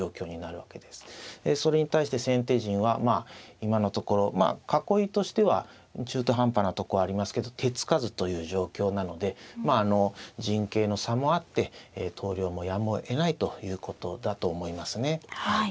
それに対して先手陣は今のところ囲いとしては中途半端なとこありますけど手付かずという状況なのでまああの陣形の差もあって投了もやむをえないということだと思いますね。